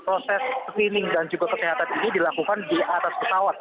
proses screening dan juga kesehatan ini dilakukan di atas pesawat